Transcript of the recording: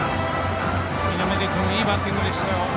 南出君、いいバッティングでした。